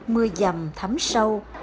mưa dầm thấm sâu